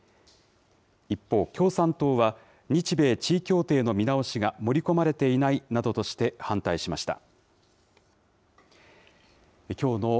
一方、共産党は日米地位協定の見直しが盛り込まれていないなどとして反対しました。